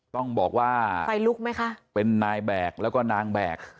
ต้องบอกว่าไฟลุกไหมคะเป็นนายแบกแล้วก็นางแบก